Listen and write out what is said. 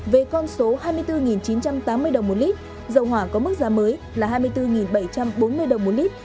về con số hai mươi bốn chín trăm tám mươi đồng một lít dầu hỏa có mức giá mới là hai mươi bốn bảy trăm bốn mươi đồng một lít